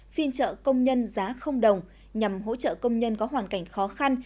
phiên trợ công nhân giá đồng nhằm hỗ trợ công nhân có hoàn cảnh khó khăn